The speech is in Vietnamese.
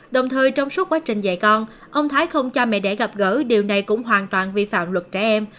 đồng thời trong suốt quá trình dạy con ông thái không cha mẹ để gặp gỡ điều này cũng hoàn toàn vi phạm luật trẻ em